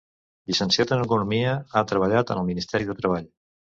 Llicenciat en economia, ha treballat en el Ministeri de Treball.